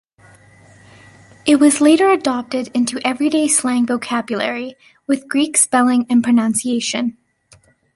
It was later adopted into everyday slang vocabulary, with Greek spelling and pronunciation.